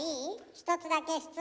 １つだけ質問。